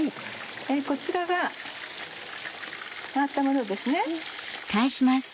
こちらが揚がったものですね。